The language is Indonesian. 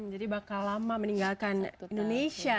jadi bakal lama meninggalkan indonesia